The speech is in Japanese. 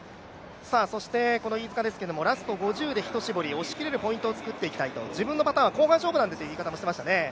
そして、飯塚ですけどラスト５０で一絞り、押し切れるポイントを作っていきたいと自分のパターンは後半勝負なので、という言い方もしていましたね。